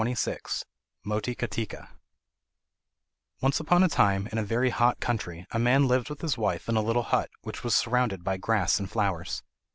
] Motiratika Once upon a time, in a very hot country, a man lived with his wife in a little hut, which was surrounded by grass and flowers.